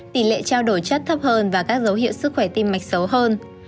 tỷ lệ trao đổi chất thấp hơn và các dấu hiệu sức khỏe tim mạch xấu hơn